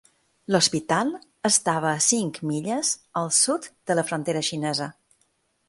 L'hospital estava a cinc milles al sud de la frontera xinesa.